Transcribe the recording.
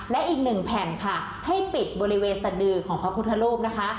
และอีกหนึ่งแผ่นค่ะให้ปิดบริเวณสดือของพระพุทธรูปนะคะ